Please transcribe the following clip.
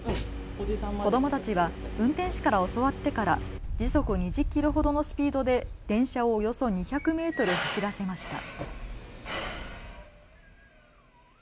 子どもたちは運転士から教わってから時速２０キロほどのスピードで電車をおよそ２００メートル走らせました。